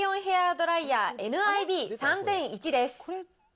ドライヤーＮＩＢ３００１です。